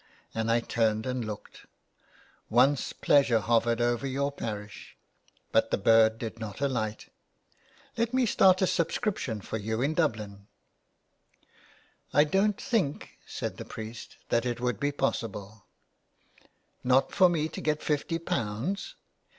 " and I turned and looked. " Once pleasure hovered over your parish, but the bird did not alight ! Let me start a subscription for you in Dublin !"I don't think," said the priest, " that it would be possible ''" Not for me to get fifty pounds